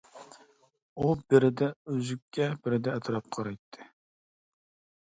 ئۇ بىردە ئۈزۈككە، بىردە ئەتراپقا قارايتتى.